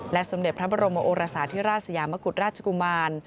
สมเด็จพระบรมโอรสาธิราชสยามกุฎราชกุมาร